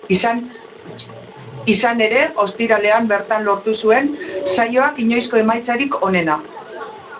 Izan ere, ostiralean bertan lortu zuen saioak inoizko emaitzarik onena.